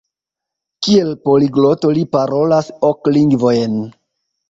Kiel poligloto li parolas ok lingvojn.